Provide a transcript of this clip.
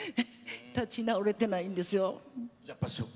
立ち直れてないんですよ。